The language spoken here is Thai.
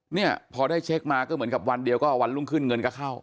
เนี่ยพอได้เช็คมาก็เหมือนกับวันเดียวก็วันรุ่งขึ้นเงินก็เข้า